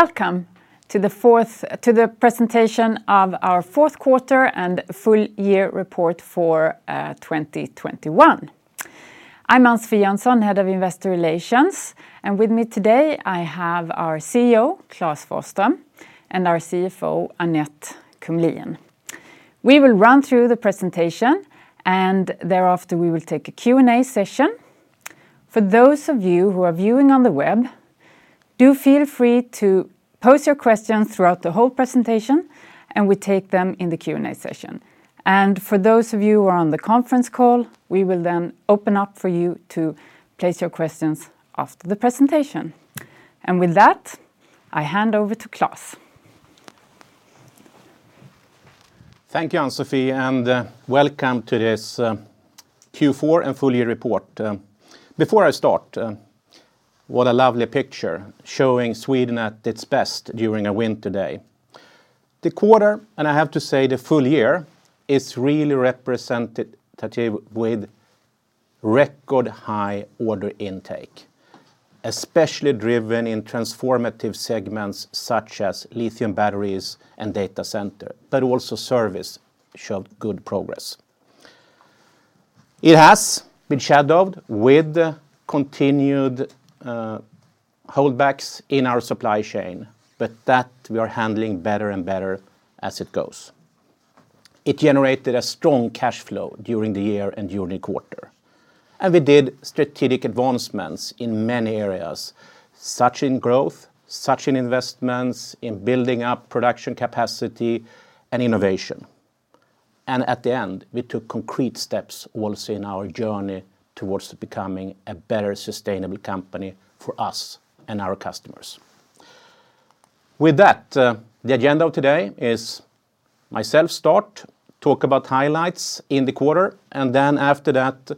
Welcome to the presentation of our fourth quarter and full year report for 2021. I'm Ann-Sofi Jönsson, Head of Investor Relations, and with me today I have our CEO, Klas Forsström, and our CFO, Anette Kumlien. We will run through the presentation, and thereafter we will take a Q&A session. For those of you who are viewing on the web, do feel free to post your questions throughout the whole presentation, and we take them in the Q&A session. For those of you who are on the conference call, we will then open up for you to place your questions after the presentation. With that, I hand over to Klas. Thank you, Ann-Sofi, and welcome to this Q4 and full year report. Before I start, what a lovely picture showing Sweden at its best during a winter day. The quarter, and I have to say the full year, is really representative with record high order intake, especially driven in transformative segments such as lithium batteries and data center, but also service showed good progress. It has been shadowed with continued holdbacks in our supply chain, but that we are handling better and better as it goes. It generated a strong cash flow during the year and during quarter. We did strategic advancements in many areas, such as in growth, such as in investments, in building up production capacity, and innovation. At the end, we took concrete steps also in our journey towards becoming a better sustainable company for us and our customers. With that, the agenda of today is me to start, talk about highlights in the quarter, and then after that,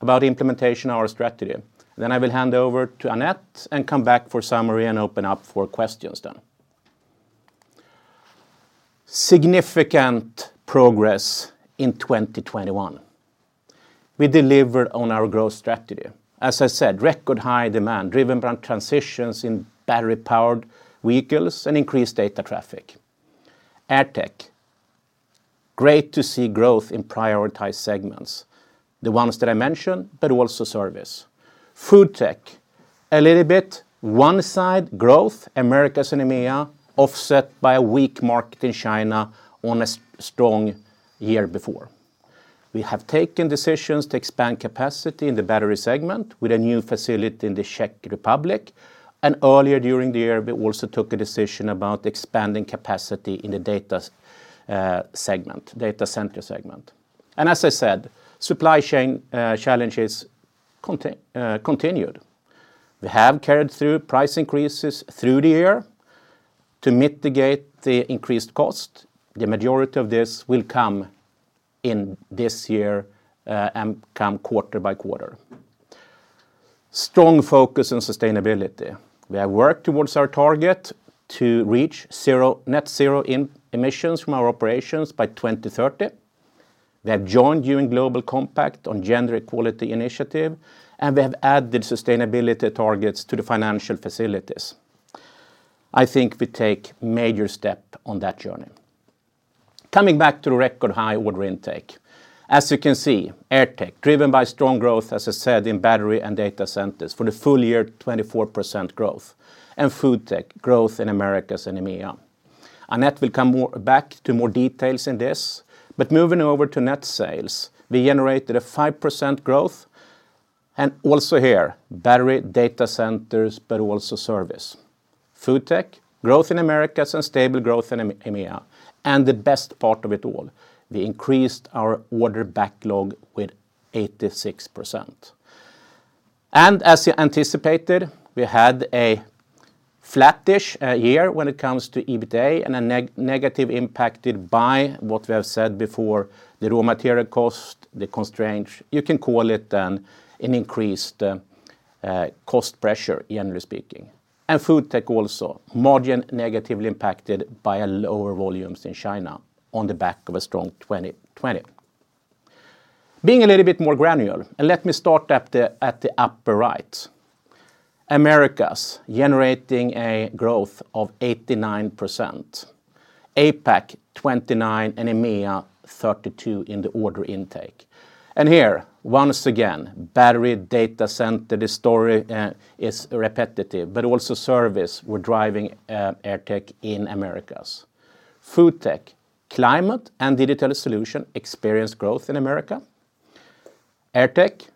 about implementation of our strategy. I will hand over to Anette and come back for summary and open up for questions then. Significant progress in 2021. We delivered on our growth strategy. As I said, record high demand driven by transitions in battery-powered vehicles and increased data traffic. AirTech, great to see growth in prioritized segments, the ones that I mentioned, but also service. FoodTech, a little bit one-sided growth, Americas and EMEA, offset by a weak market in China on a strong year before. We have taken decisions to expand capacity in the battery segment with a new facility in the Czech Republic, and earlier during the year, we also took a decision about expanding capacity in the data center segment. Supply chain challenges continued. We have carried through price increases through the year to mitigate the increased cost. The majority of this will come in this year and come quarter by quarter. Strong focus on sustainability. We have worked towards our target to reach net-zero emissions from our operations by 2030. We have joined UN Global Compact on Gender Equality Initiative, and we have added sustainability targets to the financial facilities. I think we take major step on that journey. Coming back to the record high order intake. As you can see, AirTech, driven by strong growth, as I said, in battery and data centers for the full year 24% growth, and FoodTech growth in Americas and EMEA. Anette will come back to more details in this, but moving over to net sales, we generated a 5% growth, and also here, battery, data centers, but also service. FoodTech, growth in Americas and stable growth in EMEA, and the best part of it all, we increased our order backlog with 86%. As you anticipated, we had a flat-ish year when it comes to EBITA and negatively impacted by what we have said before, the raw material cost, the constraints. You can call it an increased cost pressure, generally speaking. FoodTech also, margin negatively impacted by lower volumes in China on the back of a strong 2020. Being a little bit more granular, let me start at the upper right. Americas generating a growth of 89%. APAC 29% and EMEA 32% in the order intake. Here, once again, battery, data center, the story is repetitive, but also service, we're driving AirTech in Americas. FoodTech, climate and digital solution experienced growth in America. AirTech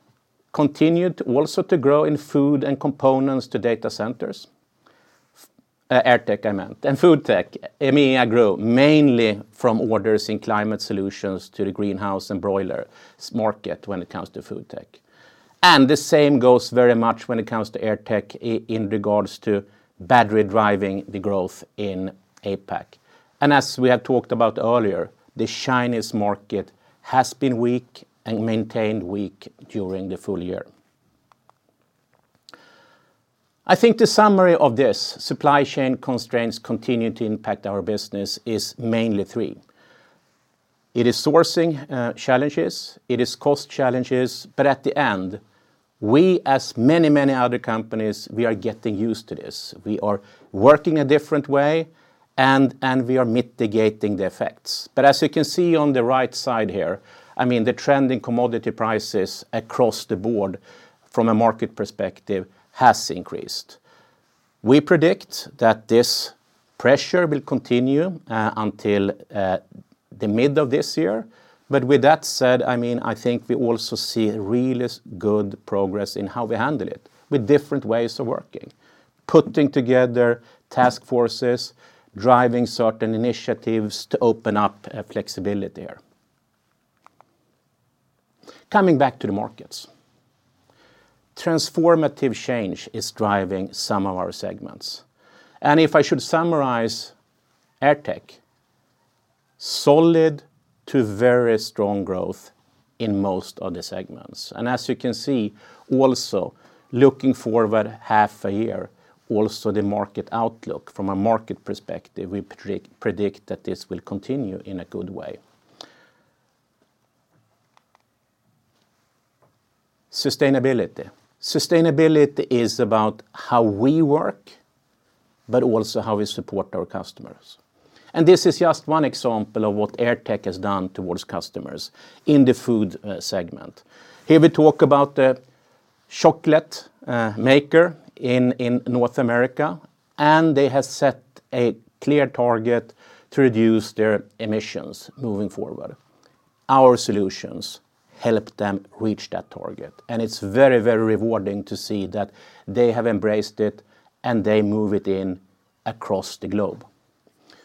continued also to grow in food and components to data centers. AirTech, I meant. FoodTech, EMEA grew mainly from orders in climate solutions to the greenhouse and broiler market when it comes to FoodTech. The same goes very much when it comes to AirTech in regards to battery driving the growth in APAC. As we have talked about earlier, the Chinese market has been weak and maintained weak during the full year. I think the summary of this, supply chain constraints continue to impact our business, is mainly three. It is sourcing challenges, it is cost challenges, but at the end, we as many other companies, are getting used to this. We are working a different way and we are mitigating the effects. As you can see on the right side here, I mean, the trend in commodity prices across the board from a market perspective has increased. We predict that this pressure will continue until the mid of this year. With that said, I mean, I think we also see really good progress in how we handle it with different ways of working, putting together task forces, driving certain initiatives to open up flexibility here. Coming back to the markets. Transformative change is driving some of our segments. If I should summarize AirTech, solid to very strong growth in most of the segments. As you can see, also looking forward half a year, also the market outlook from a market perspective, we predict that this will continue in a good way. Sustainability. Sustainability is about how we work, but also how we support our customers. This is just one example of what AirTech has done towards customers in the food segment. Here we talk about the chocolate maker in North America, and they have set a clear target to reduce their emissions moving forward. Our solutions help them reach that target, and it's very, very rewarding to see that they have embraced it, and they move it in across the globe.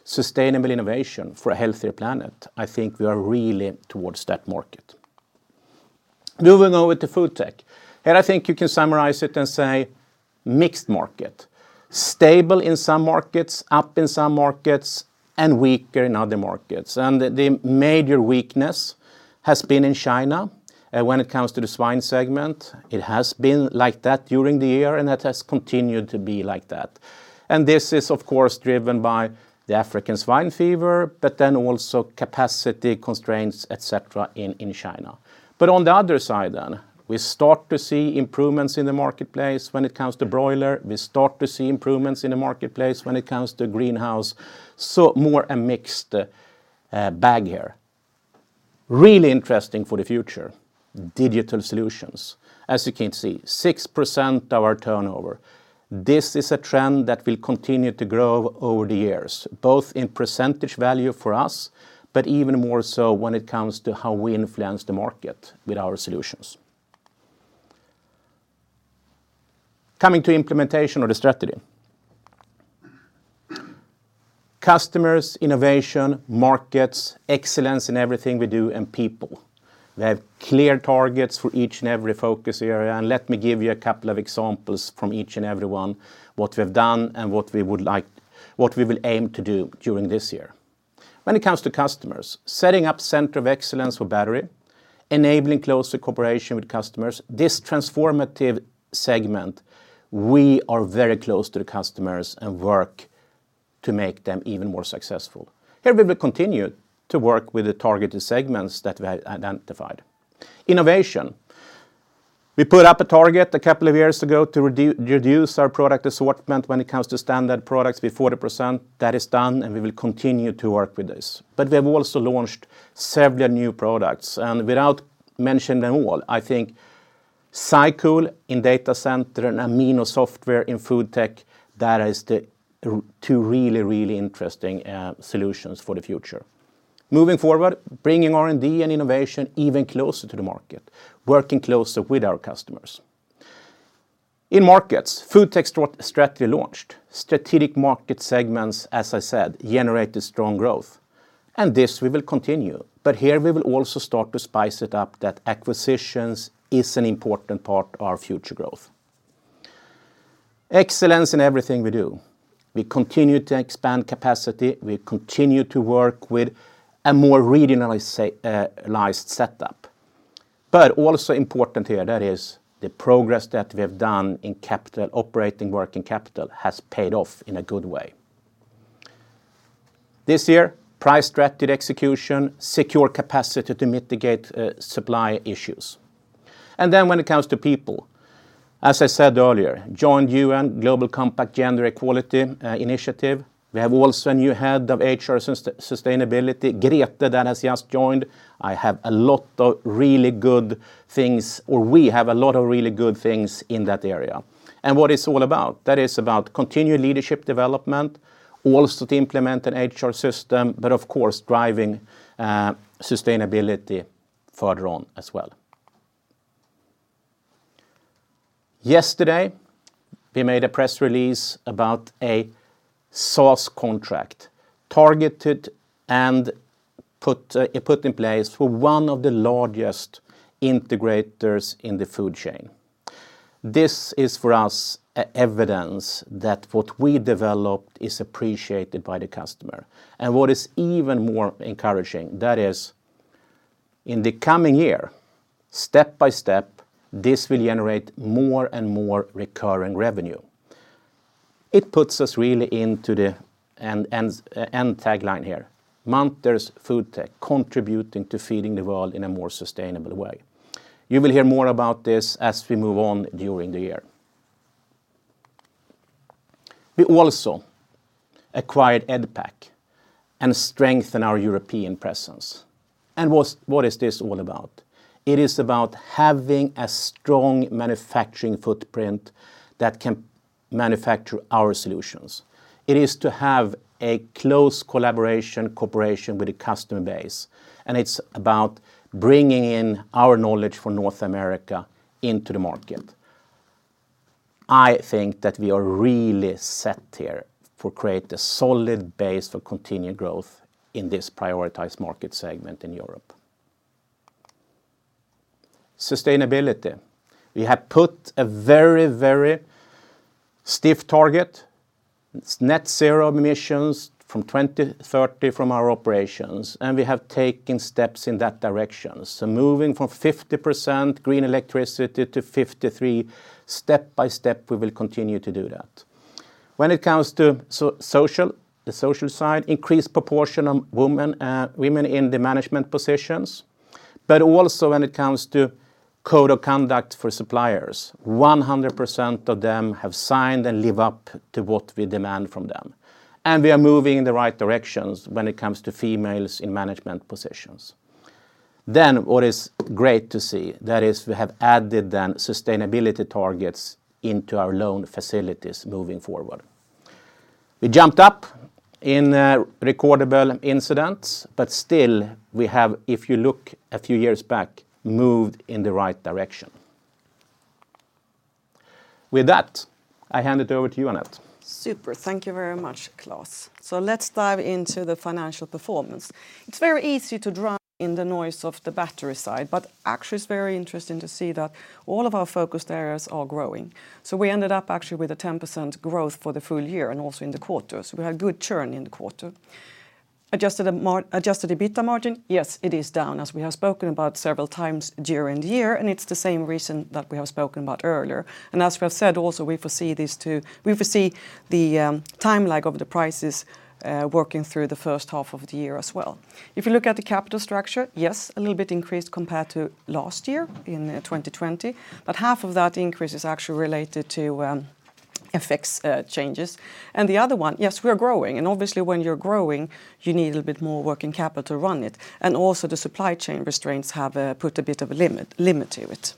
Sustainable innovation for a healthier planet, I think we are really towards that market. Moving on with the FoodTech. Here I think you can summarize it and say mixed market. Stable in some markets, up in some markets, and weaker in other markets. The major weakness has been in China, when it comes to the swine segment. It has been like that during the year, and it has continued to be like that. This is of course driven by the African swine fever, but then also capacity constraints, et cetera, in China. On the other side then, we start to see improvements in the marketplace when it comes to broiler, we start to see improvements in the marketplace when it comes to greenhouse, so more a mixed bag here. Really interesting for the future, digital solutions. As you can see, 6% of our turnover. This is a trend that will continue to grow over the years, both in percentage value for us, but even more so when it comes to how we influence the market with our solutions. Coming to implementation of the strategy. Customers, innovation, markets, excellence in everything we do, and people. We have clear targets for each and every focus area, and let me give you a couple of examples from each and every one, what we have done and what we will aim to do during this year. When it comes to customers, setting up center of excellence for battery, enabling closer cooperation with customers. This transformative segment, we are very close to the customers and work to make them even more successful. Here we will continue to work with the targeted segments that we have identified. Innovation. We put up a target a couple of years ago to reduce our product assortment when it comes to standard products with 40%. That is done, and we will continue to work with this. We have also launched several new products. Without mentioning them all, I think SyCool in data center and Amino Software in FoodTech, that is the two really, really interesting solutions for the future. Moving forward, bringing R&D and innovation even closer to the market, working closer with our customers. In markets, FoodTech strategy launched. Strategic market segments, as I said, generated strong growth. This we will continue. Here we will also start to spice it up that acquisitions is an important part of our future growth. Excellence in everything we do. We continue to expand capacity. We continue to work with a more regionalized setup. Also important here, that is the progress that we have done in capital, operating working capital has paid off in a good way. This year, price strategy execution, secure capacity to mitigate supply issues. Then when it comes to people, as I said earlier, we joined UN Global Compact gender equality initiative. We have also a new head of HR sustainability, Grete, that has just joined. I have a lot of really good things, or we have a lot of really good things in that area. What it's all about? That is about continued leadership development, also to implement an HR system, but of course, driving sustainability further on as well. Yesterday, we made a press release about a SaaS contract targeted and put in place for one of the largest integrators in the food chain. This is for us evidence that what we developed is appreciated by the customer. What is even more encouraging, that is in the coming year, step by step, this will generate more and more recurring revenue. It puts us really into the end tagline here. Munters FoodTech, contributing to feeding the world in a more sustainable way. You will hear more about this as we move on during the year. We also acquired Edpac and strengthen our European presence. What is this all about? It is about having a strong manufacturing footprint that can manufacture our solutions. It is to have a close collaboration, cooperation with the customer base, and it's about bringing in our knowledge from North America into the market. I think that we are really set here to create a solid base for continued growth in this prioritized market segment in Europe. Sustainability. We have put a very, very stiff target. It's net-zero emissions from 2030 from our operations, and we have taken steps in that direction. Moving from 50% green electricity to 53%, step by step we will continue to do that. When it comes to social, the social side, increased proportion of women in the management positions, but also when it comes to code of conduct for suppliers. 100% of them have signed and live up to what we demand from them, and we are moving in the right directions when it comes to females in management positions. What is great to see, that is we have added the sustainability targets into our loan facilities moving forward. We jumped up in recordable incidents, but still we have, if you look a few years back, moved in the right direction. With that, I hand it over to you, Anette. Super. Thank you very much, Klas. Let's dive into the financial performance. It's very easy to drown in the noise of the battery side, but actually it's very interesting to see that all of our focused areas are growing. We ended up actually with a 10% growth for the full year and also in the quarter. We had good churn in the quarter. Adjusted EBITDA margin, yes, it is down, as we have spoken about several times during the year, and it's the same reason that we have spoken about earlier. As we have said also, we foresee the time lag of the prices working through the first half of the year as well. If you look at the capital structure, yes, a little bit increased compared to last year in 2020, but half of that increase is actually related to FX changes. The other one, yes, we are growing, and obviously when you're growing, you need a little bit more working capital to run it. Also the supply chain restraints have put a bit of a limit to it.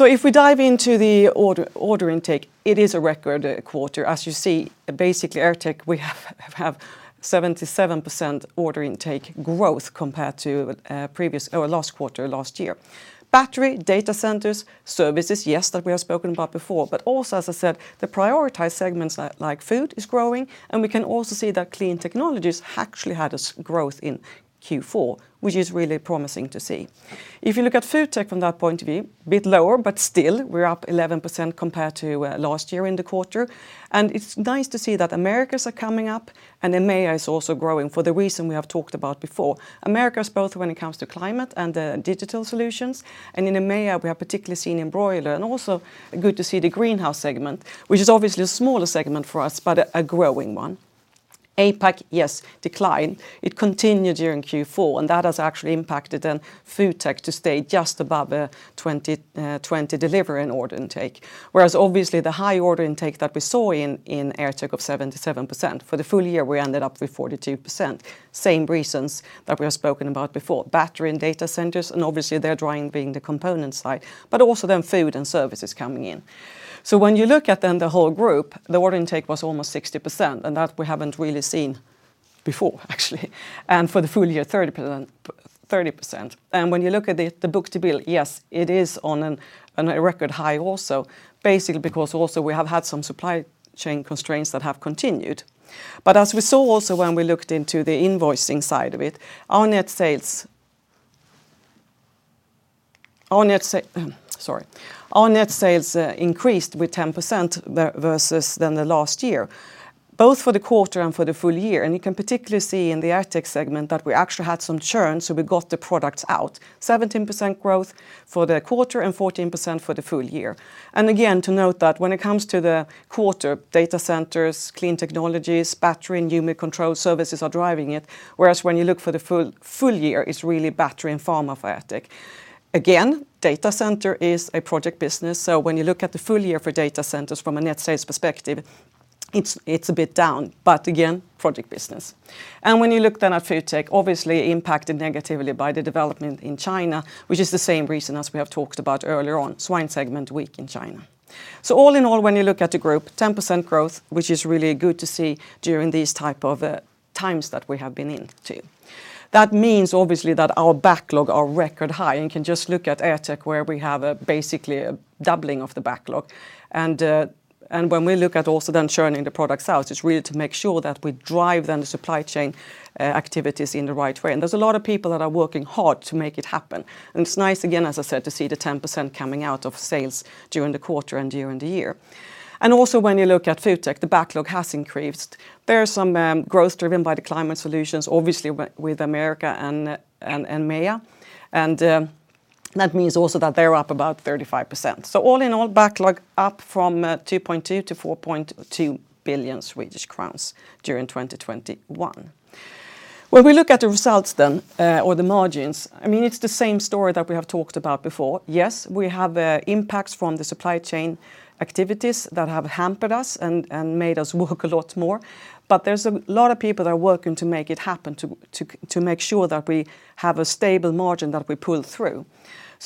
If we dive into the order intake, it is a record quarter. As you see, basically AirTech, we have 77% order intake growth compared to previous or last quarter last year. Battery, data centers, services, yes, that we have spoken about before, but also, as I said, the prioritized segments like food is growing, and we can also see that clean technologies actually had a growth in Q4, which is really promising to see. If you look at FoodTech from that point of view, bit lower, but still we're up 11% compared to last year in the quarter. It's nice to see that Americas are coming up and EMEA is also growing for the reason we have talked about before. Americas both when it comes to climate and digital solutions, and in EMEA we have particularly seen in broiler and also good to see the greenhouse segment, which is obviously a smaller segment for us, but a growing one. APAC, yes, decline. It continued during Q4, and that has actually impacted then FoodTech to stay just above the 20 delivery and order intake. Whereas obviously the high order intake that we saw in AirTech of 77%, for the full year we ended up with 42%. Same reasons that we have spoken about before, battery and data centers, and obviously they're driving being the component side, but also then food and services coming in. When you look at then the whole group, the order intake was almost 60%, and that we haven't really seen before actually, and for the full year, 30%, 30%. When you look at the book-to-bill, yes, it is on a record high also, basically because also we have had some supply chain constraints that have continued. As we saw also when we looked into the invoicing side of it, our net sales increased with 10% versus the last year, both for the quarter and for the full year. You can particularly see in the AirTech segment that we actually had some churn, so we got the products out. 17% growth for the quarter and 14% for the full year. To note that when it comes to the quarter, data centers, clean technologies, battery and humid control services are driving it, whereas when you look for the full year, it's really battery and pharma for AirTech. Data center is a project business, so when you look at the full year for data centers from a net sales perspective, it's a bit down, but again, project business. When you look then at FoodTech, obviously impacted negatively by the development in China, which is the same reason as we have talked about earlier on, swine segment weak in China. All in all, when you look at the group, 10% growth, which is really good to see during these type of times that we have been in, too. That means obviously that our backlog are record high, and you can just look at AirTech where we have basically a doubling of the backlog. When we look at also then churning the products out, it's really to make sure that we drive then the supply chain activities in the right way. There's a lot of people that are working hard to make it happen. It's nice again, as I said, to see the 10% coming out of sales during the quarter and during the year. Also, when you look at FoodTech, the backlog has increased. There is some growth driven by the climate solutions, obviously with America and EMEA. That means also that they're up about 35%. All in all backlog up from 2.2 billion-4.2 billion Swedish crowns during 2021. When we look at the results then or the margins, I mean, it's the same story that we have talked about before. Yes, we have impacts from the supply chain activities that have hampered us and made us work a lot more. There's a lot of people that are working to make it happen to make sure that we have a stable margin that we pull through.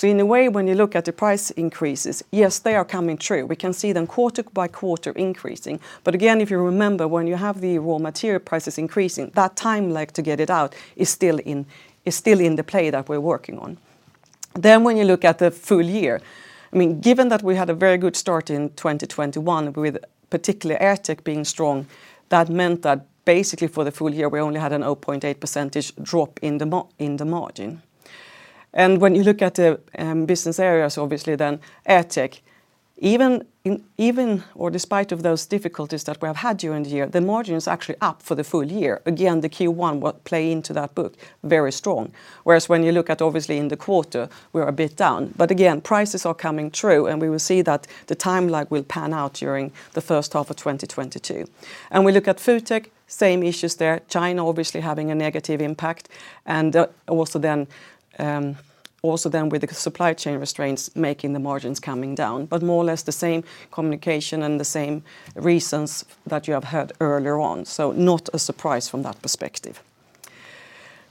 In a way, when you look at the price increases, yes, they are coming true. We can see them quarter by quarter increasing. Again, if you remember, when you have the raw material prices increasing, that time lag to get it out is still in the play that we're working on. When you look at the full year, I mean, given that we had a very good start in 2021 with particularly AirTech being strong, that meant that basically for the full year, we only had a 0.8% drop in the margin. When you look at the business areas, obviously then AirTech, even despite of those difficulties that we have had during the year, the margin is actually up for the full year. Again, the Q1 will play into that book very strong. Whereas when you look at obviously in the quarter, we're a bit down, but again, prices are coming through, and we will see that the time lag will pan out during the first half of 2022. We look at FoodTech, same issues there. China obviously having a negative impact, and also then with the supply chain restraints making the margins coming down, but more or less the same communication and the same reasons that you have heard earlier on. Not a surprise from that perspective.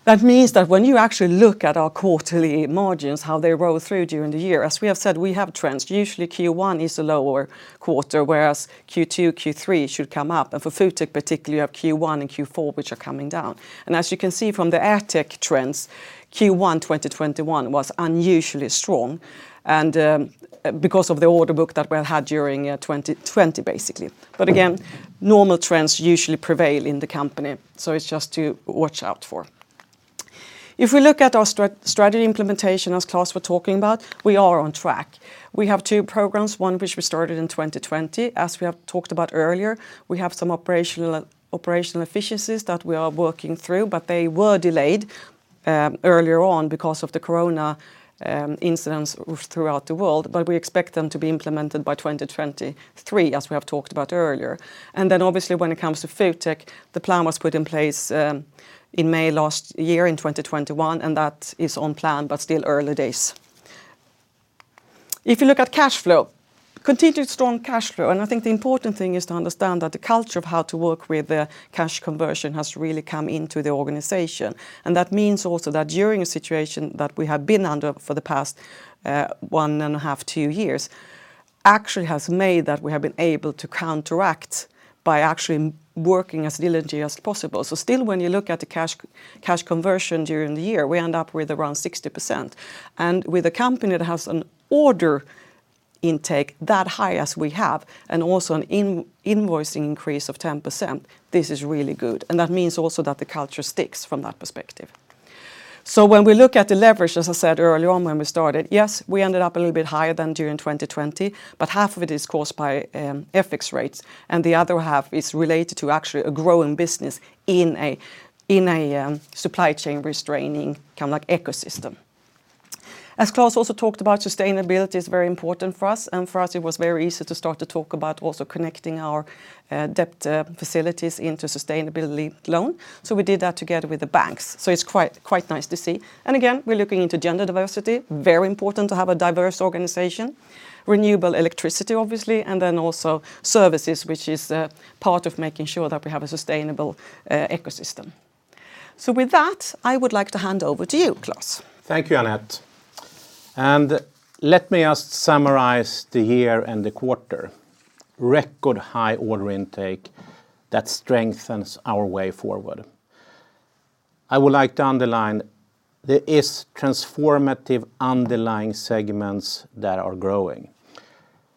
That means that when you actually look at our quarterly margins, how they roll through during the year, as we have said, we have trends. Usually Q1 is a lower quarter, whereas Q2, Q3 should come up. For FoodTech particularly, you have Q1 and Q4, which are coming down. As you can see from the AirTech trends, Q1 2021 was unusually strong and, because of the order book that we have had during 2020, basically. Again, normal trends usually prevail in the company, so it's just to watch out for. If we look at our strategy implementation, as Klas was talking about, we are on track. We have two programs, one which we started in 2020. As we have talked about earlier, we have some operational efficiencies that we are working through, but they were delayed earlier on because of the corona incidents throughout the world. We expect them to be implemented by 2023, as we have talked about earlier. Then obviously when it comes to FoodTech, the plan was put in place in May last year in 2021, and that is on plan, but still early days. If you look at cash flow, continued strong cash flow, and I think the important thing is to understand that the culture of how to work with the cash conversion has really come into the organization. That means also that during a situation that we have been under for the past 1.5-two years actually has made that we have been able to counteract by actually working as diligently as possible. Still, when you look at the cash conversion during the year, we end up with around 60%. With a company that has an order intake that high as we have, and also an invoice increase of 10%, this is really good. That means also that the culture sticks from that perspective. When we look at the leverage, as I said earlier on when we started, yes, we ended up a little bit higher than during 2020, but half of it is caused by FX rates, and the other half is related to actually a growing business in a supply chain restraining kind of like ecosystem. As Klas also talked about, sustainability is very important for us, and for us it was very easy to start to talk about also connecting our debt facilities into sustainability-linked loan. We did that together with the banks. It's quite nice to see. Again, we're looking into gender diversity, very important to have a diverse organization. Renewable electricity obviously, and then also services, which is a part of making sure that we have a sustainable ecosystem. With that, I would like to hand over to you, Klas Forsström. Thank you, Anette. Let me just summarize the year and the quarter. Record high order intake that strengthens our way forward. I would like to underline there is transformative underlying segments that are growing.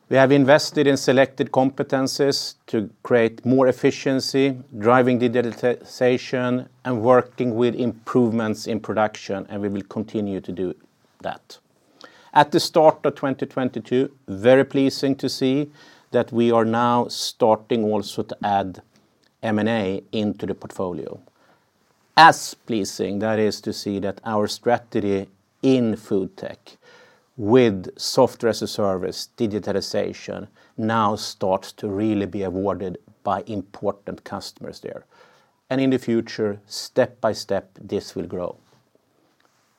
We have invested in selected competencies to create more efficiency, driving digitalization, and working with improvements in production, and we will continue to do that. At the start of 2022, very pleasing to see that we are now starting also to add M&A into the portfolio. As pleasing that is to see that our strategy in FoodTech with software as a service, digitalization, now starts to really be awarded by important customers there. In the future, step by step, this will grow.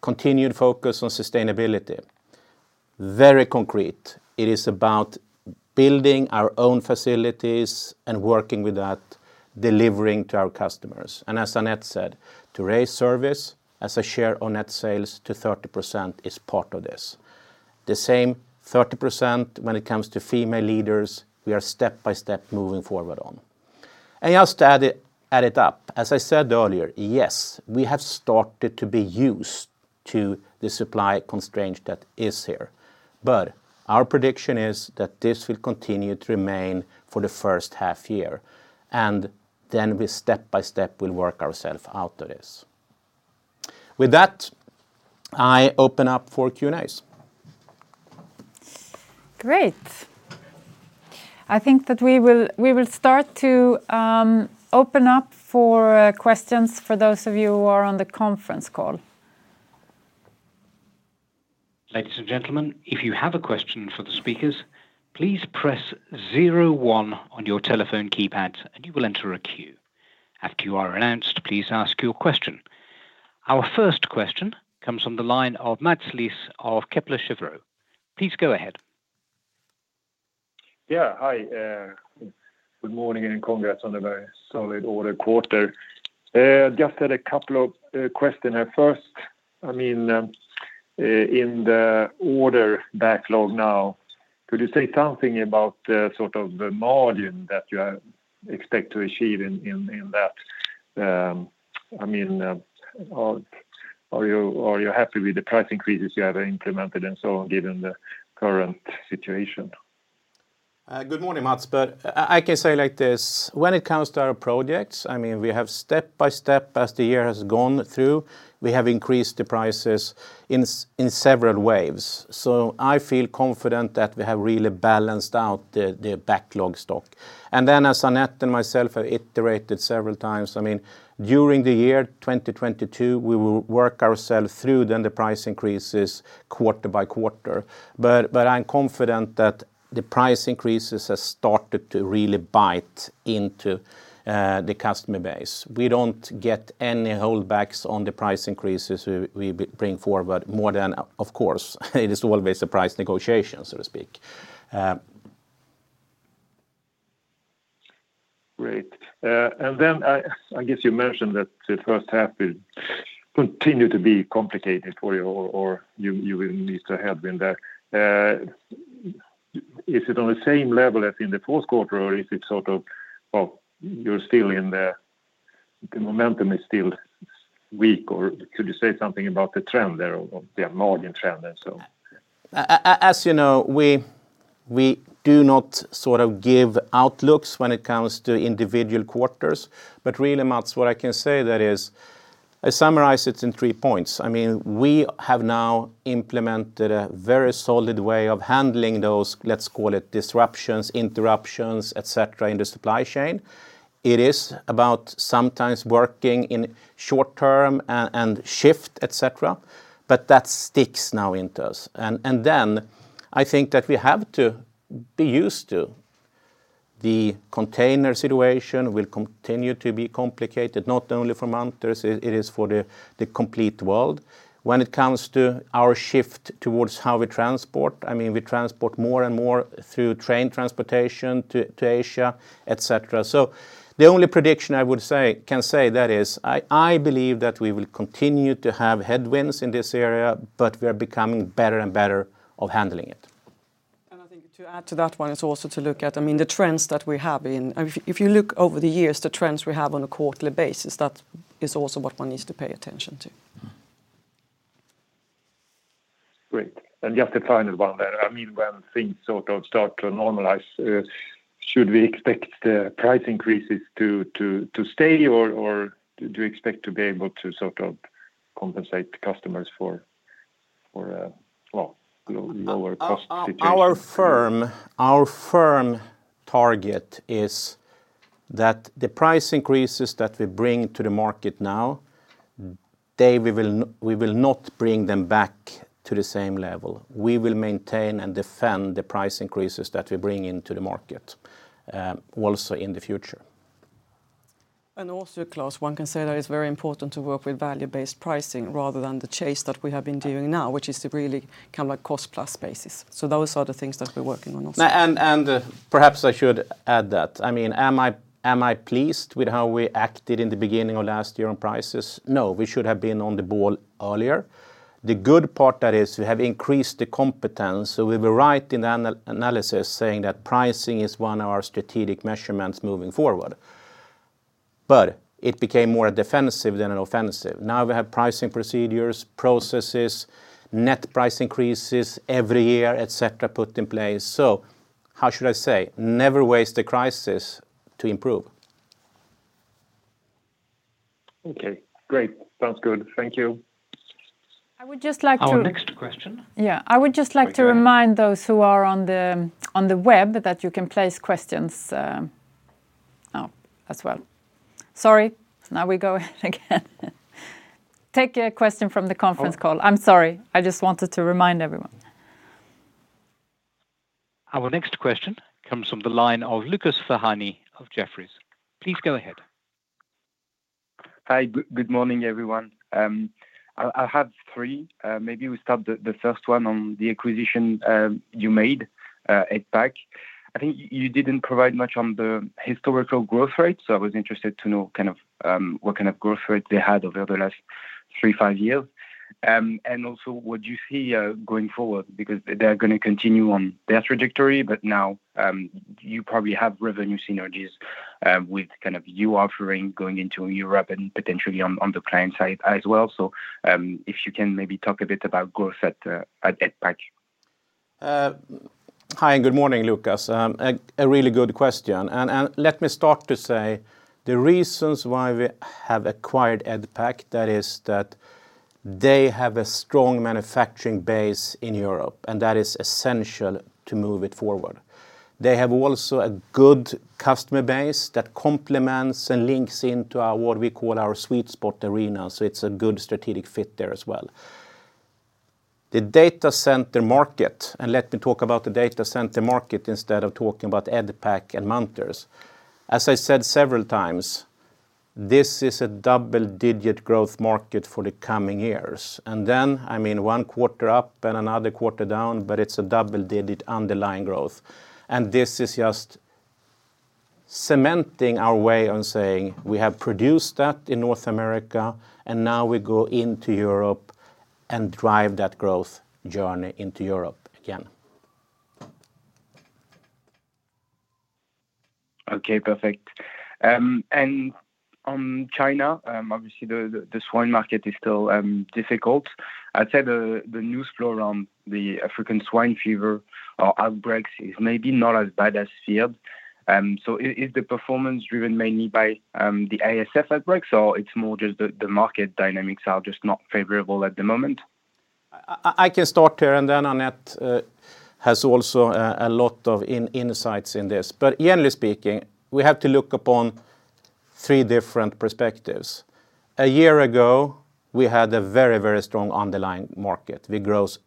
Continued focus on sustainability. Very concrete. It is about building our own facilities and working with that, delivering to our customers. As Anette said, to raise service as a share on net sales to 30% is part of this. The same 30% when it comes to female leaders, we are step by step moving forward on. Just to add it up, as I said earlier, yes, we have started to be used to the supply constraint that is here. Our prediction is that this will continue to remain for the first half year. Then we step by step will work ourselves out of this. With that, I open up for Q&As. Great. I think that we will start to open up for questions for those of you who are on the conference call. Ladies and gentlemen, if you have a question for the speakers, please press zero one on your telephone keypad, and you will enter a queue. After you are announced, please ask your question. Our first question comes from the line of Mats Liss of Kepler Cheuvreux. Please go ahead. Yeah, hi. Good morning, and congrats on a very solid order quarter. Just had a couple of question. At first, I mean, in the order backlog now, could you say something about the sort of the margin that you are expect to achieve in that? I mean, are you happy with the price increases you have implemented and so on given the current situation? Good morning, Mats. I can say like this, when it comes to our projects. I mean, we have step by step as the year has gone through, we have increased the prices in several waves. I feel confident that we have really balanced out the backlog stock. As Anette and myself have iterated several times, I mean, during the year 2022, we will work ourselves through the price increases quarter by quarter. I'm confident that the price increases have started to really bite into the customer base. We don't get any holdbacks on the price increases we bring forward more than, of course, it is always a price negotiation, so to speak. Great. I guess you mentioned that the first half will continue to be complicated for you or you will need to have been there. Is it on the same level as in the fourth quarter, or is it sort of, well, the momentum is still weak, or could you say something about the trend there of the margin trend and so on? As you know, we do not sort of give outlooks when it comes to individual quarters. Really, Mats, what I can say is, I summarize it in three points. I mean, we have now implemented a very solid way of handling those, let's call it disruptions, interruptions, et cetera, in the supply chain. It is about sometimes working in short term and shift, et cetera, but that sticks with us. Then I think that we have to be used to the container situation. It will continue to be complicated, not only for Munters, it is for the complete world. When it comes to our shift towards how we transport, I mean, we transport more and more through train transportation to Asia, et cetera. The only prediction I can say that is I believe that we will continue to have headwinds in this area, but we are becoming better and better at handling it. I think to add to that, one is also to look at, I mean, the trends that we have. If you look over the years, the trends we have on a quarterly basis, that is also what one needs to pay attention to. Great. Just a final one there. I mean, when things sort of start to normalize, should we expect the price increases to stay, or do you expect to be able to sort of compensate customers for, well, lower cost situation? Our firm target is that the price increases that we bring to the market now, we will not bring them back to the same level. We will maintain and defend the price increases that we bring into the market, also in the future. And also class one can say that it's very important to work with value-based pricing rather than the chase that we have been doing now, which is to really come at cost-plus basis. Those are the things that we're working on also. Perhaps I should add that. I mean, am I pleased with how we acted in the beginning of last year on prices? No, we should have been on the ball earlier. The good part, that is, we have increased the competence. We were right in the analysis saying that pricing is one of our strategic measurements moving forward. It became more a defensive than an offensive. Now we have pricing procedures, processes, net price increases every year, et cetera, put in place. How should I say? Never waste a crisis to improve. Okay, great. Sounds good. Thank you. I would just like to. Our next question. Yeah. I would just like to remind those who are on the web that you can place questions as well. Sorry. Now we go ahead again. Take a question from the conference call. I'm sorry. I just wanted to remind everyone. Our next question comes from the line of Lucas Ferhani of Jefferies. Please go ahead. Hi. Good morning, everyone. I have three. Maybe we start the first one on the acquisition you made, Edpac. I think you didn't provide much on the historical growth rate, so I was interested to know kind of what kind of growth rate they had over the last three, five years. And also, what do you see going forward? Because they're gonna continue on their trajectory, but now you probably have revenue synergies with kind of you offering going into Europe and potentially on the client side as well. If you can maybe talk a bit about growth at Edpac. Hi, and good morning, Lucas. A really good question. Let me start to say the reasons why we have acquired Edpac, that is that they have a strong manufacturing base in Europe, and that is essential to move it forward. They have also a good customer base that complements and links into our, what we call our sweet spot arena, so it's a good strategic fit there as well. The data center market, let me talk about the data center market instead of talking about Edpac and Munters. As I said several times, this is a double-digit growth market for the coming years. Then, I mean, one quarter up and another quarter down, but it's a double-digit underlying growth. This is just cementing our way of saying we have produced that in North America, and now we go into Europe and drive that growth journey into Europe again. Okay. Perfect. On China, obviously the swine market is still difficult. I'd say the news flow around the African swine fever or outbreaks is maybe not as bad as feared. Is the performance driven mainly by the ASF outbreaks, or it's more just the market dynamics are just not favorable at the moment? I can start here, and then Anette has also a lot of insights in this. Generally speaking, we have to look upon three different perspectives. A year ago, we had a very strong underlying market.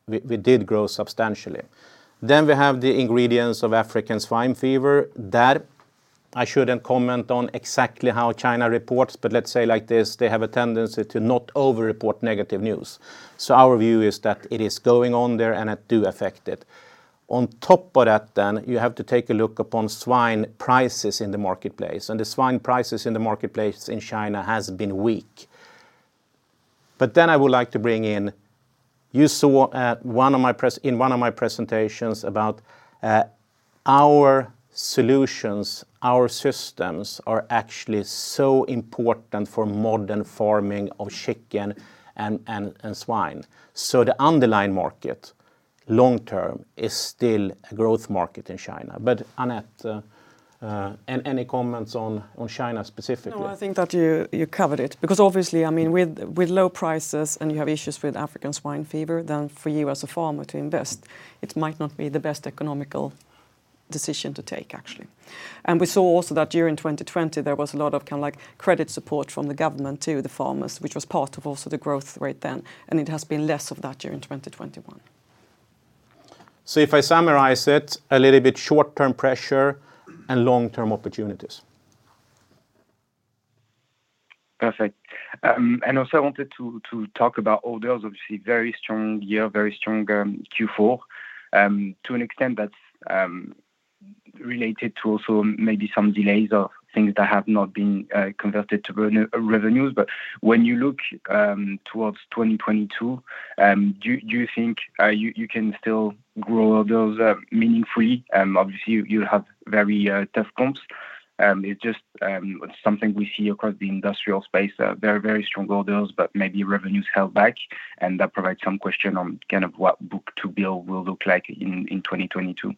We did grow substantially. We have the ingredients of African swine fever that I shouldn't comment on exactly how China reports, but let's say like this, they have a tendency to not over-report negative news. Our view is that it is going on there and it do affect it. On top of that, you have to take a look upon swine prices in the marketplace, and the swine prices in the marketplace in China has been weak. I would like to bring in. You saw in one of my presentations about our solutions. Our systems are actually so important for modern farming of chicken and swine. The underlying market long term is still a growth market in China. Anette, any comments on China specifically? No, I think that you covered it because obviously, I mean, with low prices and you have issues with African swine fever, then for you as a farmer to invest, it might not be the best economic decision to take, actually. We saw also that during 2020 there was a lot of kinda like credit support from the government to the farmers, which was part of also the growth rate then, and it has been less of that during 2021. If I summarize it, a little bit short-term pressure and long-term opportunities. Perfect. I wanted to talk about orders. Obviously very strong year, very strong Q4. To an extent that's related to also maybe some delays or things that have not been converted to revenues. When you look towards 2022, do you think you can still grow orders meaningfully? Obviously you have very tough comps. It just something we see across the industrial space, very strong orders, but maybe revenues held back, and that provides some question on kind of what book-to-bill will look like in 2022.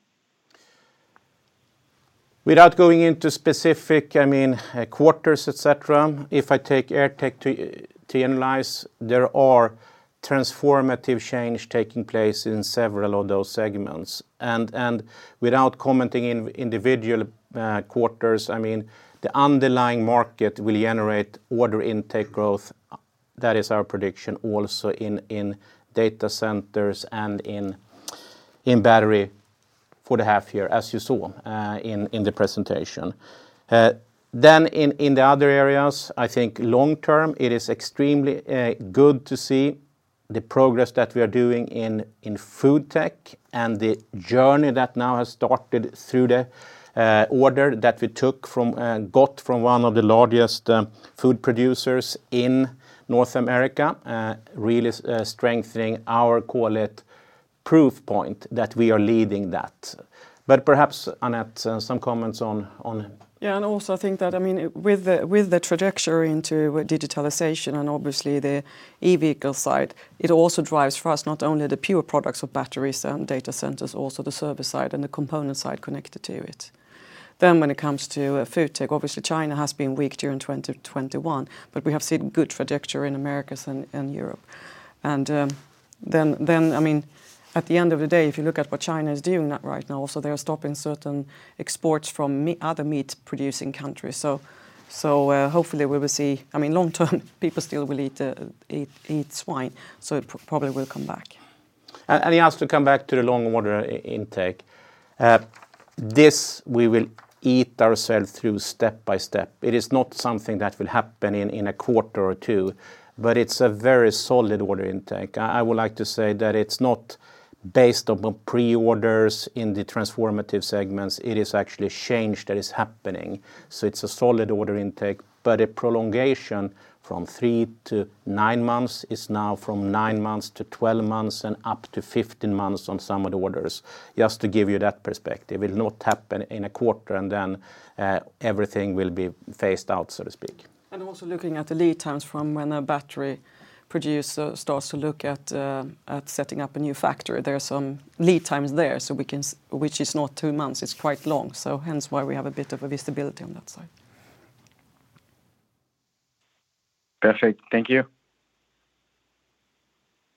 Without going into specific, I mean, quarters, et cetera, if I take AirTech to analyze, there are transformative change taking place in several of those segments. Without commenting individually quarters, I mean, the underlying market will generate order intake growth. That is our prediction also in data centers and in battery for the half year, as you saw, in the presentation. In the other areas, I think long term, it is extremely good to see the progress that we are doing in FoodTech and the journey that now has started through the order that we got from one of the largest food producers in North America, really strengthening our, call it, proof point that we are leading that. Perhaps Anette some comments on. I think that, I mean, with the trajectory into digitalization and obviously the e-vehicle side, it also drives for us not only the pure products of batteries and data centers, also the service side and the component side connected to it. When it comes to FoodTech, obviously China has been weak during 2021, but we have seen good trajectory in Americas and Europe. Then, I mean, at the end of the day, if you look at what China is doing right now also, they are stopping certain exports from other meat-producing countries. Hopefully we will see. I mean, long term, people still will eat swine, so it probably will come back. Yes, to come back to the long order intake, this we will eat ourselves through step by step. It is not something that will happen in a quarter or two, but it's a very solid order intake. I would like to say that it's not based on the pre-orders in the transformative segments. It is actually change that is happening, so it's a solid order intake. A prolongation from three to nine months is now from nine months to 12 months and up to 15 months on some of the orders, just to give you that perspective. It will not happen in a quarter and then everything will be phased out, so to speak. Also looking at the lead times from when a battery producer starts to look at setting up a new factory. There are some lead times there, so we can, which is not two months. It's quite long, so hence why we have a bit of a visibility on that side. Perfect. Thank you.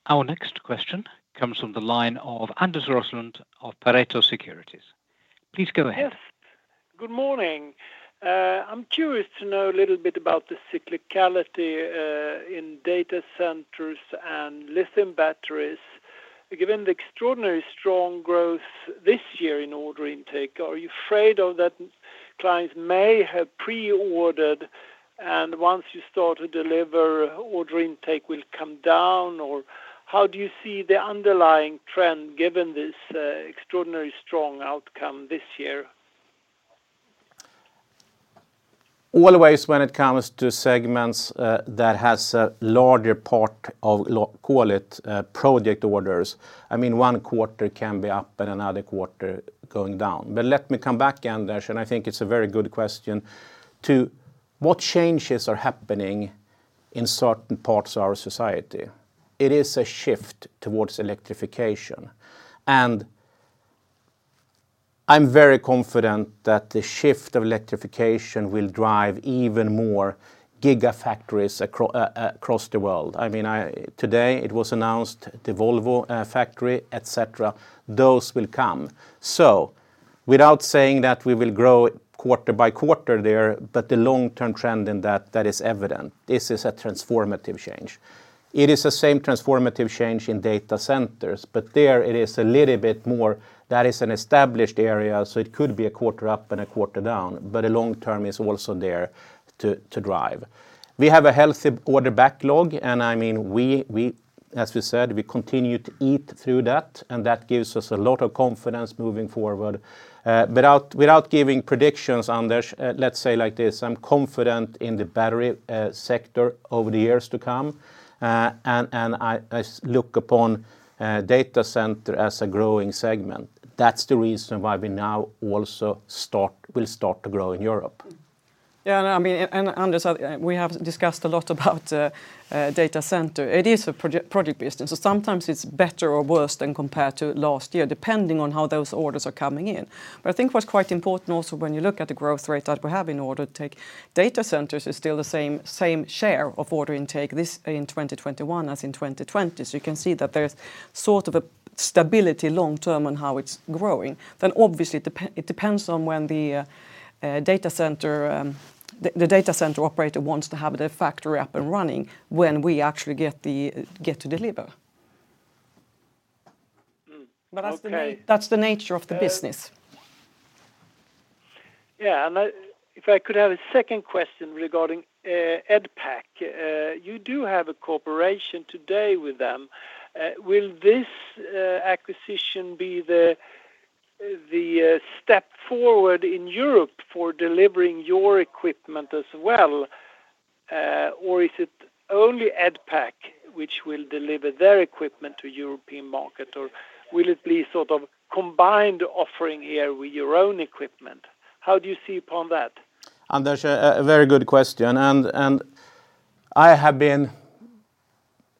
Our next question comes from the line of Anders Roslund of Pareto Securities. Please go ahead. Yes. Good morning. I'm curious to know a little bit about the cyclicality in data centers and lithium batteries. Given the extraordinarily strong growth this year in order intake, are you afraid that clients may have pre-ordered, and once you start to deliver, order intake will come down? Or how do you see the underlying trend given this extraordinarily strong outcome this year? Always when it comes to segments that has a larger part of call it project orders, I mean, one quarter can be up and another quarter going down. Let me come back, Anders, and I think it's a very good question, to what changes are happening in certain parts of our society. It is a shift towards electrification. I'm very confident that the shift of electrification will drive even more gigafactories across the world. I mean, today it was announced the Volvo factory, et cetera, those will come. Without saying that we will grow quarter by quarter there, but the long-term trend in that is evident. This is a transformative change. It is the same transformative change in data centers, but there it is a little bit more that is an established area, so it could be a quarter up and a quarter down, but the long term is also there to drive. We have a healthy order backlog, and I mean, we, as we said, we continue to eat through that, and that gives us a lot of confidence moving forward. Without giving predictions, Anders, let's say like this: I'm confident in the battery sector over the years to come, and I look upon data center as a growing segment. That's the reason why we now also will start to grow in Europe. Yeah, I mean, Anders, we have discussed a lot about data centers. It is a project business, so sometimes it's better or worse compared to last year, depending on how those orders are coming in. I think what's quite important also when you look at the growth rate that we have in order intake, data centers is still the same share of order intake in 2021 as in 2020. You can see that there's sort of a stability long term on how it's growing. Obviously it depends on when the data center, the data center operator wants to have their factory up and running when we actually get to deliver. Okay. That's the nature of the business. If I could have a second question regarding Edpac. You do have a cooperation today with them. Will this acquisition be the step forward in Europe for delivering your equipment as well, or is it only Edpac which will deliver their equipment to European market? Or will it be sort of combined offering here with your own equipment? How do you see upon that? Anders, very good question. I have been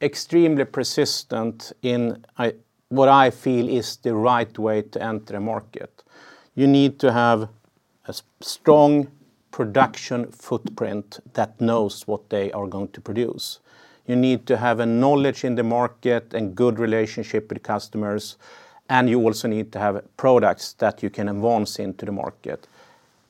extremely persistent in what I feel is the right way to enter a market. You need to have a strong production footprint that knows what they are going to produce. You need to have a knowledge in the market and good relationship with customers, and you also need to have products that you can advance into the market.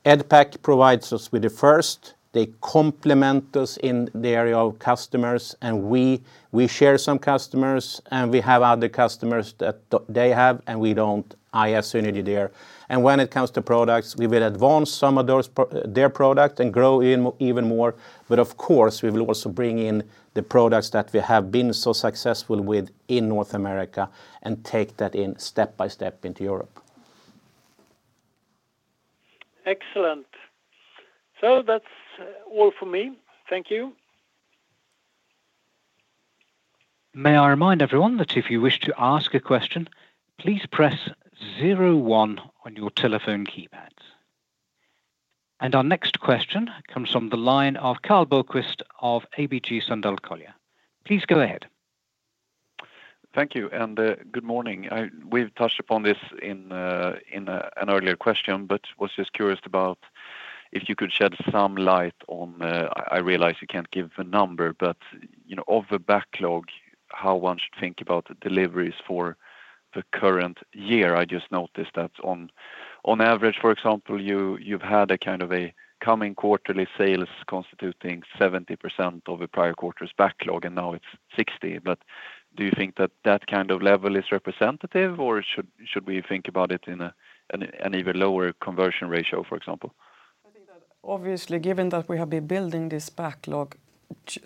Edpac provides us with the first, they complement us in the area of customers, and we share some customers, and we have other customers that they have and we don't, IS Unity there. When it comes to products, we will advance some of those their product and grow even more. Of course, we will also bring in the products that we have been so successful with in North America and take that in step by step into Europe. Excellent. That's all from me. Thank you. May I remind everyone that if you wish to ask a question, please press zero one on your telephone keypads. Our next question comes from the line of Karl Bokvist of ABG Sundal Collier. Please go ahead. Thank you, good morning. We've touched upon this in an earlier question. I was just curious about if you could shed some light on, I realize you can't give a number, but, you know, of the backlog, how one should think about the deliveries for the current year. I just noticed that on average, for example, you've had a kind of a coming quarterly sales constituting 70% of the prior quarter's backlog, and now it's 60%. Do you think that that kind of level is representative, or should we think about it in an even lower conversion ratio, for example? I think that obviously, given that we have been building this backlog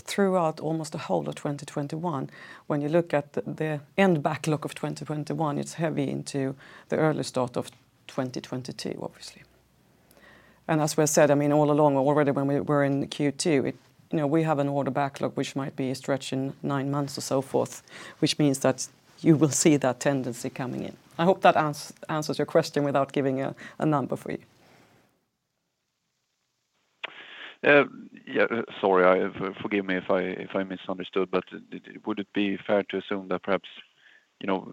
throughout almost the whole of 2021, when you look at the end backlog of 2021, it's heavy into the early start of 2022, obviously. As we said, I mean, all along, already when we were in Q2, you know, we have an order backlog which might be stretching nine months or so forth, which means that you will see that tendency coming in. I hope that answers your question without giving a number for you. Yeah, sorry. Forgive me if I misunderstood, but would it be fair to assume that perhaps, you know?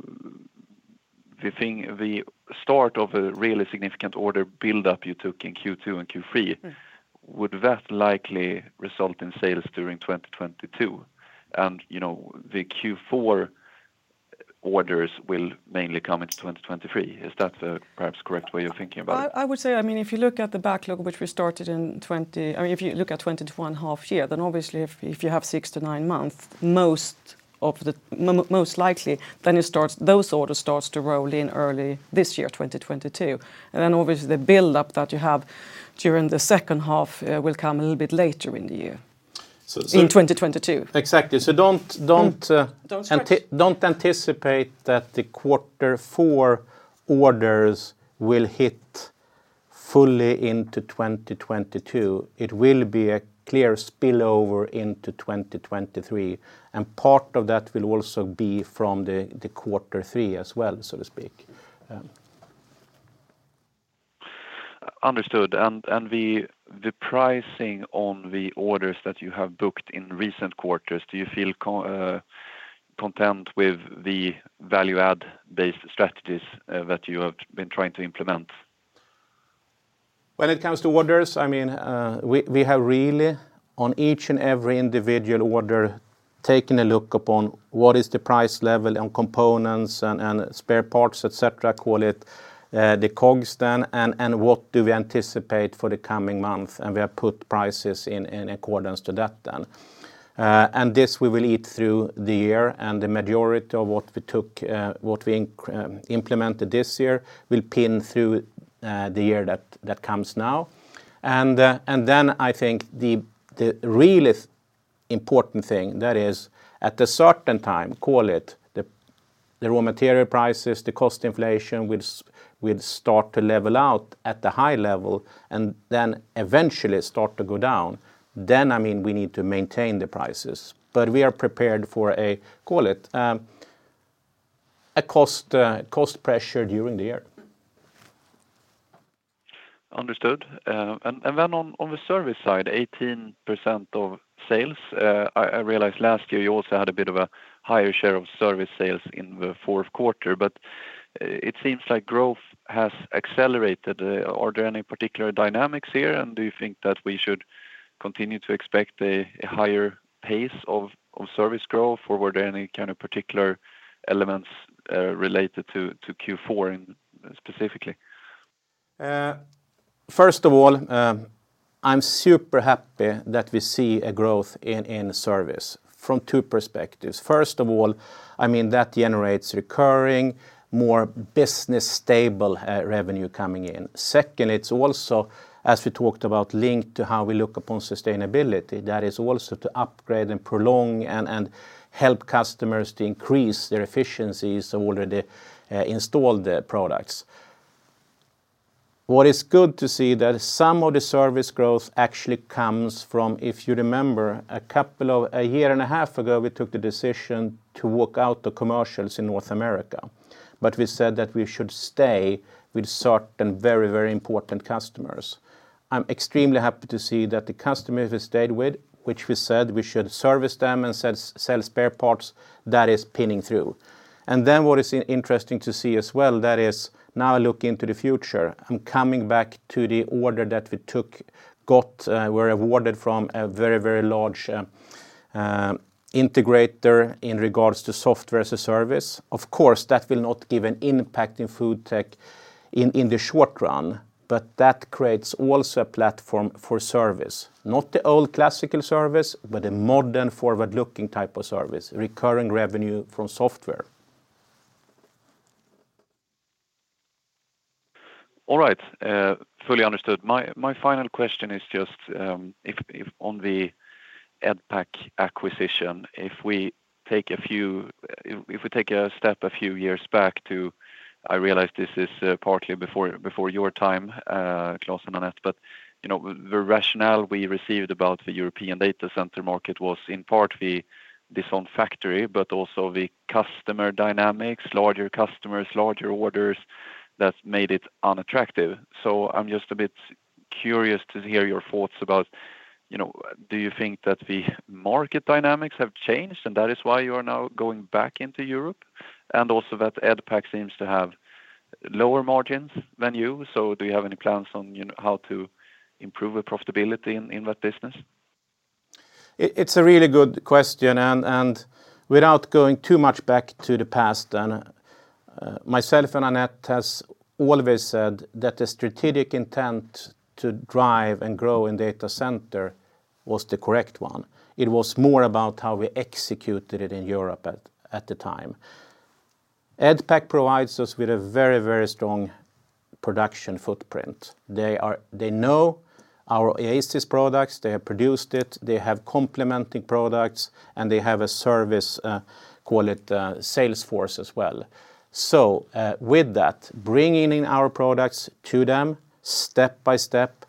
The thing, the start of a really significant order build-up you took in Q2 and Q3, would that likely result in sales during 2022? You know, the Q4 orders will mainly come into 2023. Is that perhaps the correct way of thinking about it? I would say, I mean, if you look at the backlog, which we started in 2021 half year, then obviously if you have six to nine months, most likely, then it starts, those orders starts to roll in early this year, 2022. Then obviously the build-up that you have during the second half will come a little bit later in the year. So, so- In 2022. Exactly. Don't Don't stretch. Don't anticipate that the quarter four orders will hit fully into 2022. It will be a clear spillover into 2023, and part of that will also be from the quarter three as well, so to speak. Understood. The pricing on the orders that you have booked in recent quarters, do you feel content with the value add-based strategies that you have been trying to implement? When it comes to orders, I mean, we have really on each and every individual order taken a look upon what is the price level and components and spare parts, etc., call it the COGS then, and what do we anticipate for the coming month, and we have put prices in accordance to that then. This we will carry through the year, and the majority of what we implemented this year will carry through the year that comes now. Then I think the really important thing, that is at a certain time, call it the raw material prices, the cost inflation will start to level out at the high level and then eventually start to go down. I mean, we need to maintain the prices. We are prepared for, call it, a cost pressure during the year. Understood. And then on the service side, 18% of sales, I realize last year you also had a bit of a higher share of service sales in the fourth quarter, but it seems like growth has accelerated. Are there any particular dynamics here, and do you think that we should continue to expect a higher pace of service growth, or were there any kind of particular elements related to Q4 specifically? First of all, I'm super happy that we see a growth in service from two perspectives. First of all, I mean, that generates recurring, more business stable revenue coming in. Second, it's also, as we talked about, linked to how we look upon sustainability. That is also to upgrade and prolong and help customers to increase their efficiencies of already installed products. What is good to see that some of the service growth actually comes from, if you remember, a year and a half ago, we took the decision to walk out the commercials in North America. We said that we should stay with certain very, very important customers. I'm extremely happy to see that the customers we stayed with, which we said we should service them and sell spare parts, that is panning out. What is interesting to see as well, that is now looking to the future and coming back to the order that we were awarded from a very large integrator in regards to Software as a Service. Of course, that will not give an impact in FoodTech in the short run, but that creates also a platform for service. Not the old classical service, but a modern forward-looking type of service, recurring revenue from software. All right. Fully understood. My final question is just, if on the Edpac acquisition, if we take a step a few years back to, I realize this is partly before your time, Klas and Anette, but, you know, the rationale we received about the European data center market was in part its own factory, but also the customer dynamics, larger customers, larger orders that made it unattractive. I'm just a bit curious to hear your thoughts about, you know, do you think that the market dynamics have changed and that is why you are now going back into Europe? And also that Edpac seems to have lower margins than you, so do you have any plans on, you know, how to improve the profitability in that business? It's a really good question, and without going too much back to the past, myself and Anette has always said that the strategic intent to drive and grow in data center was the correct one. It was more about how we executed it in Europe at the time. Edpac provides us with a very, very strong production footprint. They know our Oasis products. They have produced it. They have complementing products, and they have a service, call it, sales force as well. With that, bringing in our products to them step by step,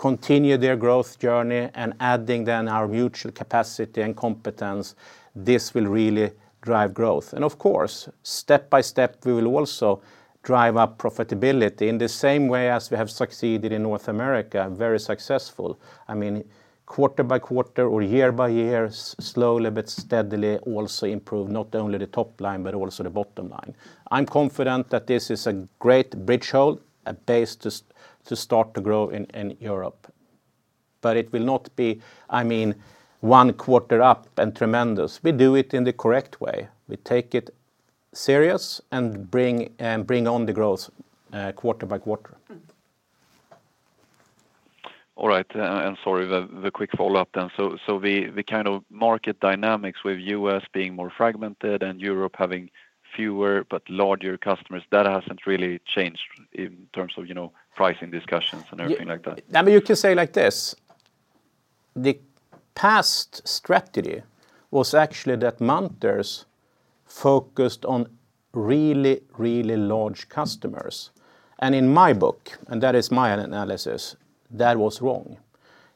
continue their growth journey, and adding then our mutual capacity and competence, this will really drive growth. Of course, step by step, we will also drive up profitability in the same way as we have succeeded in North America, very successful. I mean, quarter by quarter or year by year, slowly but steadily also improve not only the top line, but also the bottom line. I'm confident that this is a great bridgehead, a base to start to grow in Europe. It will not be, I mean, one quarter up and tremendous. We do it in the correct way. We take it serious and bring on the growth quarter by quarter. All right. Sorry, the quick follow-up then. The kind of market dynamics with U.S. being more fragmented and Europe having fewer but larger customers, that hasn't really changed in terms of, you know, pricing discussions and everything like that? Yeah. I mean, you can say like this, the past strategy was actually that Munters focused on really, really large customers, and in my book, and that is my analysis, that was wrong.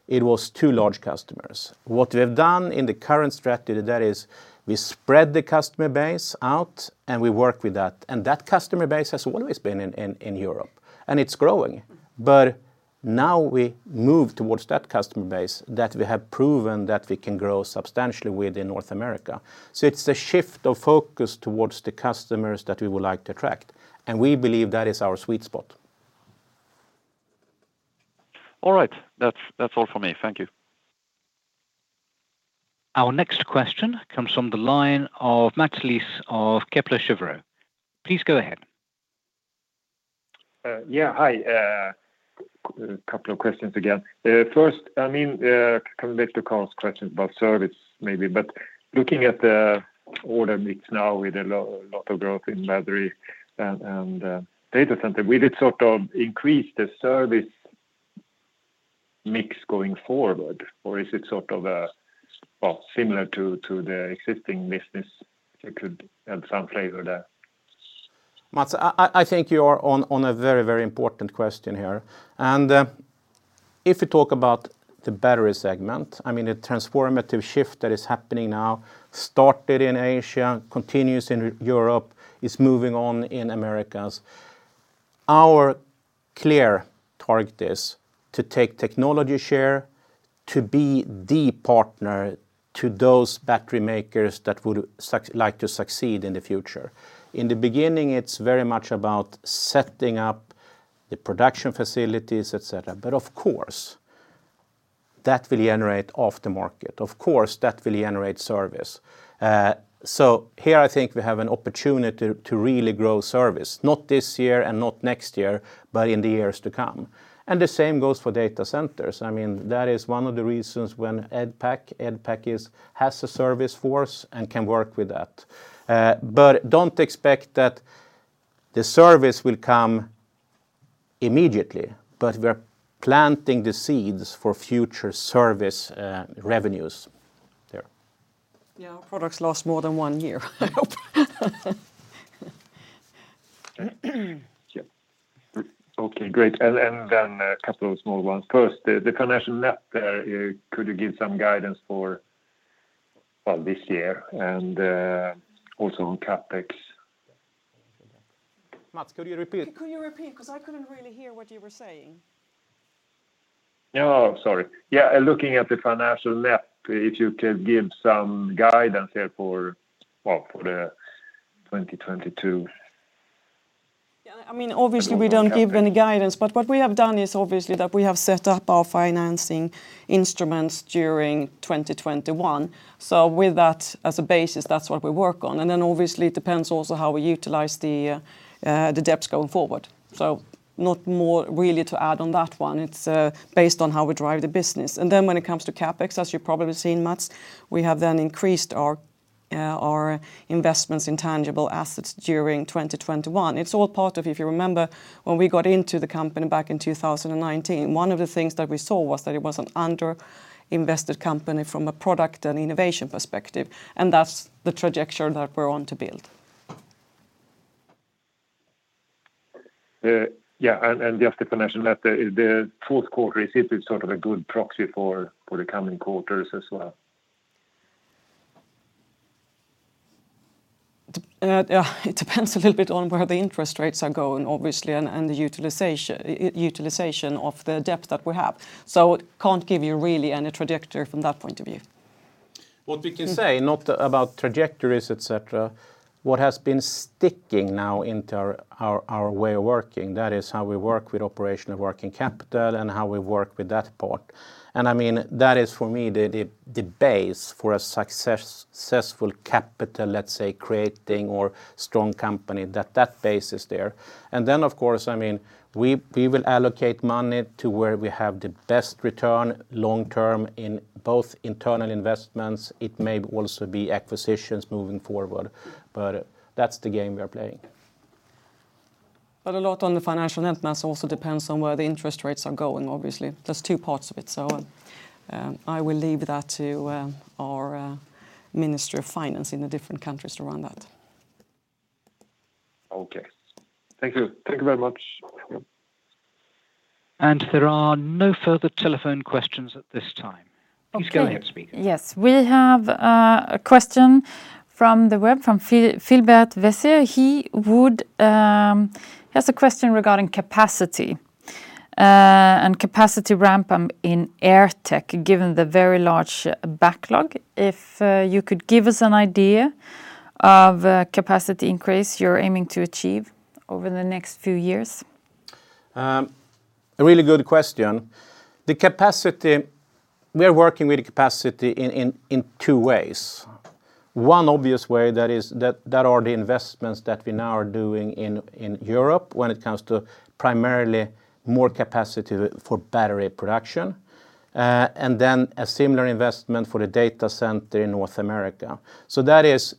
It was too large customers. What we have done in the current strategy, that is we spread the customer base out, and we work with that, and that customer base has always been in Europe, and it's growing. Now we move towards that customer base that we have proven that we can grow substantially with in North America. It's a shift of focus towards the customers that we would like to attract, and we believe that is our sweet spot. All right. That's all for me. Thank you. Our next question comes from the line of Mats Liss of Kepler Cheuvreux. Please go ahead. Yeah. Hi. A couple of questions again. First, I mean, kind of bit to Karl's question about service maybe, but looking at the order mix now with a lot of growth in battery and data center, will it sort of increase the service mix going forward, or is it sort of a well, similar to the existing business? If you could add some flavor there. Mats, I think you're on a very important question here. If you talk about the battery segment, I mean, the transformative shift that is happening now started in Asia, continues in Europe, it's moving on in Americas. Our clear target is to take technology share to be the partner to those battery makers that would like to succeed in the future. In the beginning, it's very much about setting up the production facilities, et cetera. But of course, that will generate offtake. Of course, that will generate service. Here, I think we have an opportunity to really grow service, not this year and not next year, but in the years to come, and the same goes for data centers. I mean, that is one of the reasons when Edpac has a service force and can work with that. Don't expect that the service will come immediately, but we're planting the seeds for future service revenues there. Yeah, our products last more than one year, I hope. Okay, great. A couple of small ones. First, the financial net there, could you give some guidance for, well, this year and also on CapEx? Mats, could you repeat? Could you repeat? 'Cause I couldn't really hear what you were saying. Oh, sorry. Yeah, looking at the financial net, if you could give some guidance there for, well, for 2022. Yeah, I mean, obviously we don't give any guidance, but what we have done is obviously that we have set up our financing instruments during 2021. With that as a basis, that's what we work on. Obviously it depends also how we utilize the debts going forward. Not more really to add on that one. It's based on how we drive the business. When it comes to CapEx, as you've probably seen, Mats, we have then increased our investments in tangible assets during 2021. It's all part of, if you remember, when we got into the company back in 2019, one of the things that we saw was that it was an under-invested company from a product and innovation perspective, and that's the trajectory that we're on to build. Yeah, just to financial net, the fourth quarter, is it sort of a good proxy for the coming quarters as well? It depends a little bit on where the interest rates are going obviously, and the utilization of the debt that we have. Can't give you really any trajectory from that point of view. What we can say, not about trajectories, et cetera, what has been sticking now into our way of working, that is how we work with operational working capital and how we work with that part. I mean, that is for me, the base for a successful capital, let's say creating or strong company, that base is there. Then of course, I mean, we will allocate money to where we have the best return long-term in both internal investments. It may also be acquisitions moving forward, but that's the game we are playing. A lot on the financial net, Mats, also depends on where the interest rates are going obviously. There's two parts of it. I will leave that to our ministry of finance in the different countries to run that. Okay. Thank you. Thank you very much. There are no further telephone questions at this time. Okay. Please go ahead speaker. Yes. We have a question from the web from Philibert Vasseur. He has a question regarding capacity and capacity ramp in AirTech, given the very large backlog. If you could give us an idea of capacity increase you're aiming to achieve? Over the next few years? A really good question. The capacity, we are working with the capacity in two ways. One obvious way, that is, the investments that we now are doing in Europe when it comes to primarily more capacity for battery production. Then a similar investment for the data center in North America. That is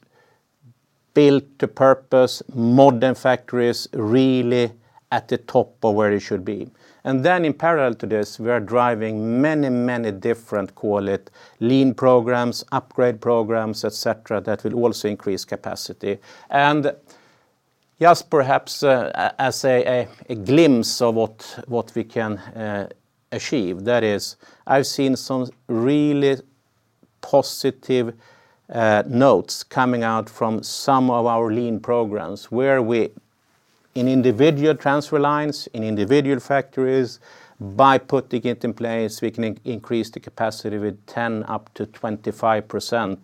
built to purpose modern factories really at the top of where it should be. In parallel to this, we are driving many different call it lean programs, upgrade programs, et cetera, that will also increase capacity. Just perhaps, as a glimpse of what we can achieve, that is I've seen some really positive notes coming out from some of our lean programs where we, in individual transfer lines, in individual factories, by putting it in place, we can increase the capacity with 10%-25%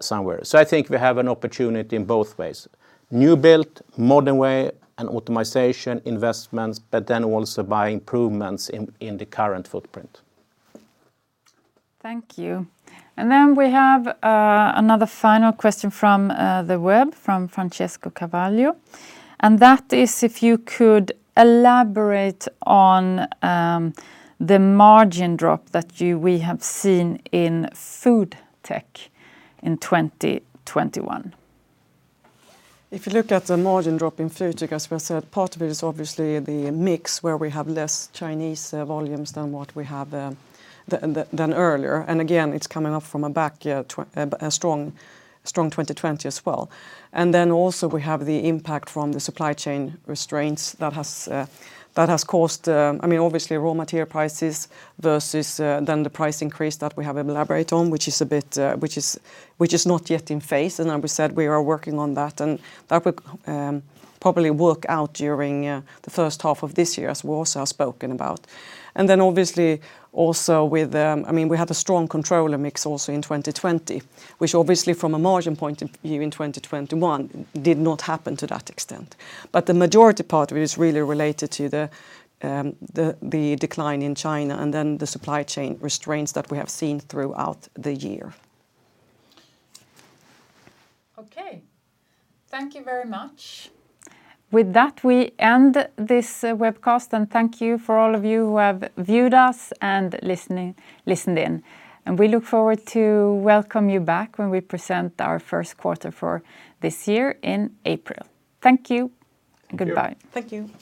somewhere. I think we have an opportunity in both ways. New built, modern way, and optimization investments, but then also by improvements in the current footprint. Thank you. We have another final question from the web, from Francesco Cavallo, and that is if you could elaborate on the margin drop that we have seen in FoodTech in 2021. If you look at the margin drop in FoodTech, as was said, part of it is obviously the mix where we have less Chinese volumes than what we had earlier. Again, it's coming up from a weak year, too, but a strong 2020 as well. Then also we have the impact from the supply chain constraints that has caused, I mean, obviously raw material prices versus the price increase that we have elaborated on, which is a bit, which is not yet in place. Like we said, we are working on that, and that would probably work out during the first half of this year, as we also have spoken about. Obviously also with, I mean, we have a strong controller mix also in 2020, which obviously from a margin point of view in 2021 did not happen to that extent. The majority part of it is really related to the decline in China and then the supply chain restraints that we have seen throughout the year. Okay. Thank you very much. With that, we end this webcast, and thank you for all of you who have viewed us and listened in. We look forward to welcome you back when we present our first quarter for this year in April. Thank you. Goodbye. Thank you. Thank you.